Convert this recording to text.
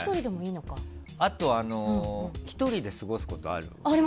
あと、１人で過ごすことある？